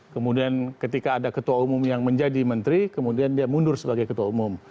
kemudian ketika ada ketua umum yang menjadi menteri kemudian dia mundur sebagai ketua umum